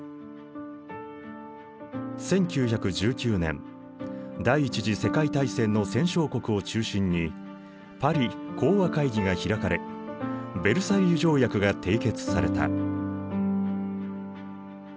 １９１９年第一次世界大戦の戦勝国を中心にパリ講和会議が開かれヴェルサイユ条約が締結された。